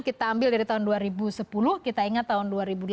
kita ambil dari tahun dua ribu sepuluh kita ingat tahun dua ribu delapan